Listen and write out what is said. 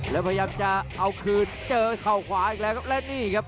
แล้วพยายามจะเอาคืนเจอเข่าขวาอีกแล้วครับและนี่ครับ